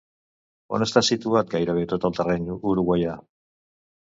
On està situat gairebé tot el terreny uruguaià?